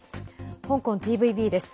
香港ＴＶＢです。